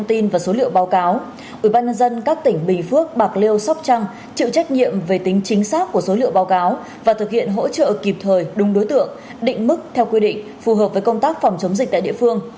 ubnd các tỉnh bình phước bạc liêu sóc trăng chịu trách nhiệm về tính chính xác của số liệu báo cáo và thực hiện hỗ trợ kịp thời đúng đối tượng định mức theo quy định phù hợp với công tác phòng chống dịch tại địa phương